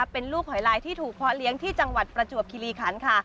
เป็นลูกหอยลายที่ถูกเพาะเลี้ยงที่จังหวัดประจวบคิริคันค่ะ